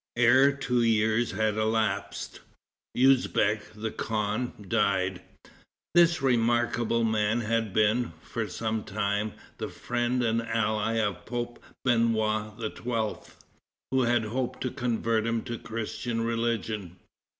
Ere two years had elapsed, Usbeck, the khan, died. This remarkable man had been, for some time, the friend and the ally of Pope Benoit XII., who had hoped to convert him to the Christian religion.